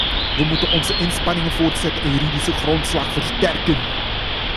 We moeten onze inspanningen voortzetten en de juridische grondslag versterken.